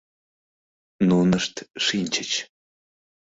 Нунышт шинчыч.